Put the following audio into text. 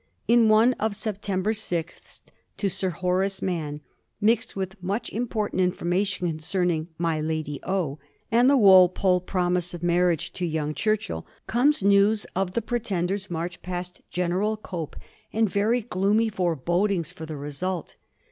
In one of September 6th to Sir Horace Mann, mixed with much important information concerning " My Lady O " and the Walpole promise of marriage "to young 1745. HOW LONDON FELT. 219 Churchill," comes news of the Pretender's march past Gen eral Cope, and very gloomy forebodings for the result.